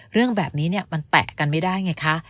เรื่องแบบนี้มันแตะกันไม่ได้ไงคะ